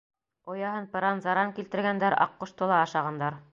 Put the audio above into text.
Ояһын пыран-заран килтергәндәр, аҡҡошто ла ашағандар.